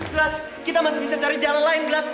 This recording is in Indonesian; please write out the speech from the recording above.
glas kita masih bisa cari jalan lain glas